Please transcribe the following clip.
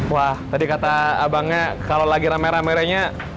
wah tadi kata abangnya kalau lagiran merah merahnya